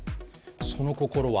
その心は？